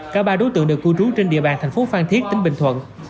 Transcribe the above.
cả ba đối tượng đều cư trú trên địa bàn thành phố phan thiết tỉnh bình thuận